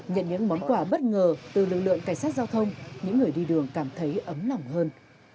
nhận những món quà bất ngờ từ lực lượng cảnh sát giao thông những người đi đường cảm thấy ấm lòng hơn